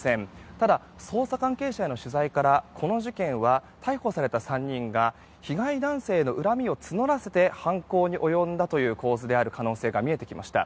ただ、捜査関係者の取材からこの事件は逮捕された３人が被害男性の恨みを募らせて犯行に及んだという構図であるという可能性が見えてきました。